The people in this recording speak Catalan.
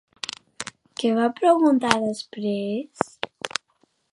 Què va preguntar després?